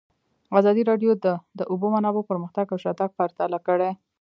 ازادي راډیو د د اوبو منابع پرمختګ او شاتګ پرتله کړی.